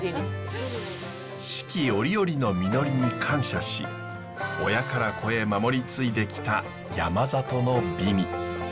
四季折々の実りに感謝し親から子へ守り継いできた山里の美味。